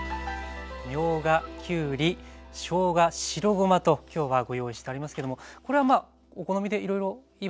みょうがきゅうりしょうが白ごまと今日はご用意してありますけどもこれはお好みでいろいろいいわけですか？